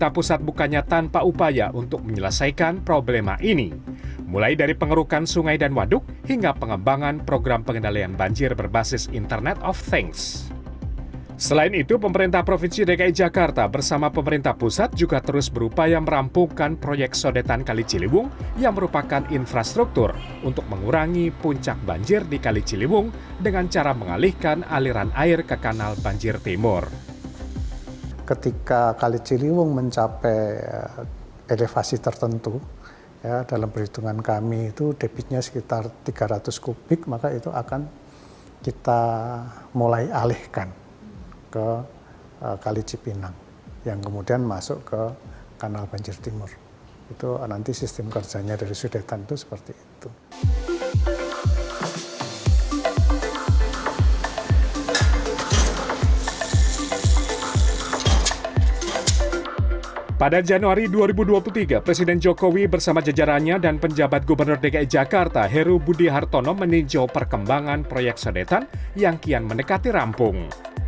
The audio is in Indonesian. pada januari dua ribu dua puluh tiga presiden jokowi bersama jejaraannya dan penjabat gubernur dki jakarta heru budi hartono meninjau perkembangan proyek sedetan yang kian mendekati rampung